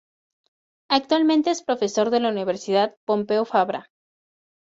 Actualmente es profesor de la Universidad Pompeu Fabra.